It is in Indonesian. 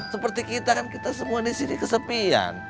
seperti kita kan kita semua disini kesepian